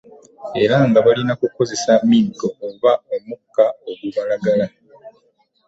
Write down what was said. Era nga balina kukozesa miggo oba omukka ogubalagala.